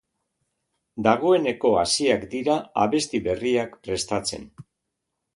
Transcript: Dagoeneko hasiak dira abesti berriak prestatzen.